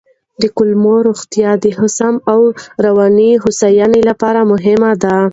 د کولمو روغتیا د هضم او رواني هوساینې لپاره مهمه ده.